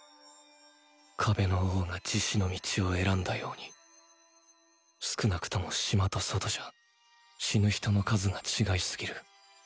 壁の王が自死の道を選んだように少なくとも「島」と「外」じゃ死ぬ人の数が違いすぎる。